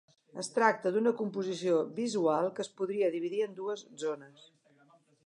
Es tracta d'una composició visual que es podria dividir en dues zones.